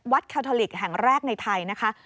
คาทอลิกแห่งแรกในไทยนะคะ